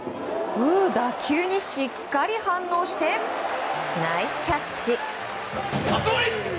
打球にしっかり反応してナイスキャッチ！